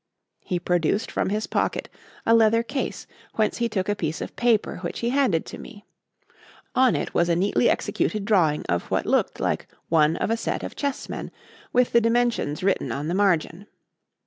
He produced from his pocket a leather case, whence he took a piece of paper which he handed to me. On it was a neatly executed drawing of what looked like one of a set of chessmen, with the dimensions written on the margin.